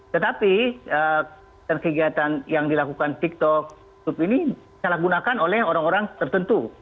tetapi kegiatan kegiatan yang dilakukan tiktok ini salah gunakan oleh orang orang tertentu